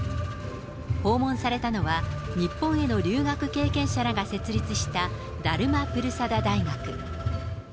訪問されたのは、日本への留学経験者らが設立したダルマ・プルサダ大学。